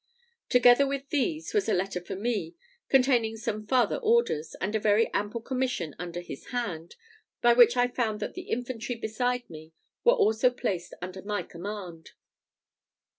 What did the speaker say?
Together with these was a letter for me, containing some farther orders, and a very ample commission under his hand, by which I found that the infantry beside me were also placed under my command.